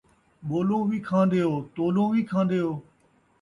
ٻولوں وی کھاندے او، تولوں وی کھاندے او